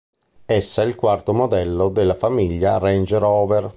Essa è il quarto modello della famiglia Range Rover.